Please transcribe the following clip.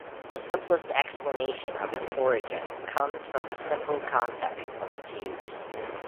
The simplest explanation of its origin comes from the simple context of its use.